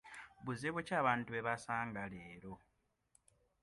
Buzibu ki abantu bwe basanga leero?